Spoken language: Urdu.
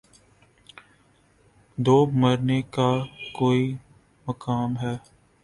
دوب مرنے کا کوئی مقام ہے